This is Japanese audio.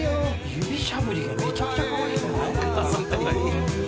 指しゃぶりがめちゃくちゃかわいくない？